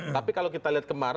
tapi kalau kita lihat kemarin